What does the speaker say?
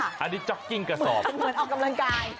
อันนี้จ๊อกกิ้งกระสอบเหมือนออกกำลังกาย